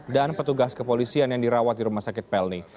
dan petugas kepolisian yang dirawat di rumah sakit pelni